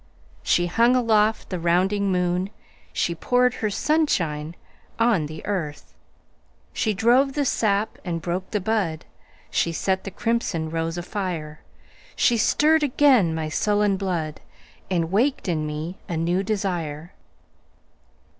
She hung aloft the rounding moon, She poured her sunshine on the earth, She drove the sap and broke the bud, She set the crimson rose afire. She stirred again my sullen blood, And waked in me a new desire.